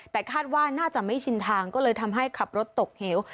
แต่คาดว่าน่าจะไม่ชินทางก็เลยทำให้ขับรถตกเหว